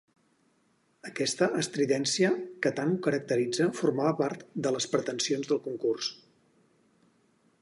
Aquesta estridència que tant ho caracteritza formava part de les pretensions del concurs.